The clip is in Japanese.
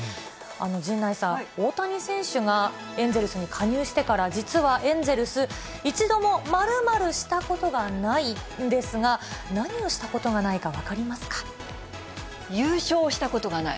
陣内さん、大谷選手がエンゼルスに加入してから実はエンゼルス、一度も○○したことがないんですが、何をしたことがないか、優勝したことがない。